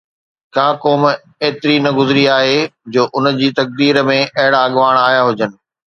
ڪا قوم ايتري نه گذري آهي جو ان جي تقدير ۾ اهڙا اڳواڻ آيا هجن.